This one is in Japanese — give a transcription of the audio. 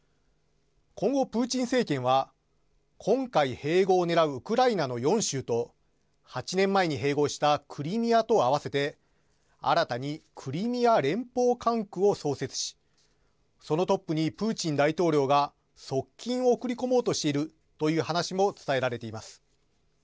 今後、プーチン政権は今回併合をねらうウクライナの４州と８年前に併合したクリミアと合わせて新たにクリミア連邦管区を創設しそのトップにプーチン大統領が側近を送り込もうとしているという話も伝えられています。